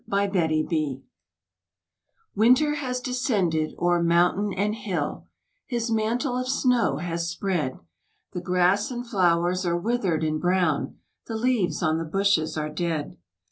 *WINTER* Winter has descended o'er mountain and hill, His mantle of snow has spread; The grass and flowers are withered and brown, The leaves on the bushes are dead.